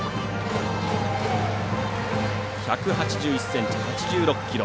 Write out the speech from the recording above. １８１ｃｍ、８６ｋｇ。